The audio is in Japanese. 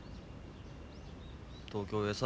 東京へさ。